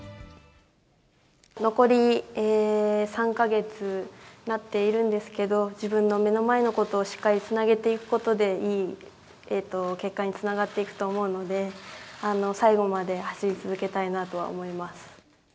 残り３か月となっているんですけど、自分の目の前のことをしっかりつなげていくことで、いい結果につながっていくと思うので、最後まで走り続けたいなとは思います。